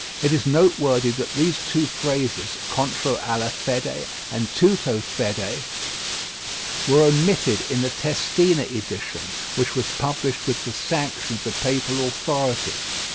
It is noteworthy that these two phrases, "contro alla fede" and "tutto fede," were omitted in the Testina edition, which was published with the sanction of the papal authorities.